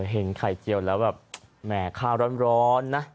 เห็นไข่เจียวแล้วแบบแหมข้าวร้อนนะ